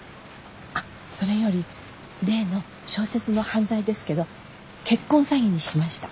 あっそれより例の小説の犯罪ですけど結婚詐欺にしました。